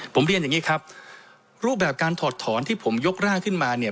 ผมเรียนอย่างนี้ครับรูปแบบการถอดถอนที่ผมยกร่างขึ้นมาเนี่ย